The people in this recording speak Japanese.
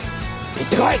行ってこい！